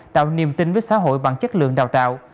tạo niềm tin với xã hội bằng chất lượng đào tạo